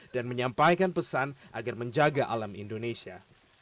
dan menyampaikan pesan agar menjaga alam indonesia